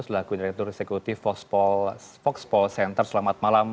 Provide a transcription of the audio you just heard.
selaku direktur eksekutif foxpol center selamat malam